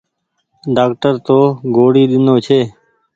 ڍآڪٽر تو گوڙي ۮينو ڇي۔